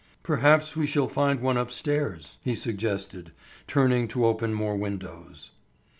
"Perhaps we shall find one upstairs," he suggested, turning to open more windows.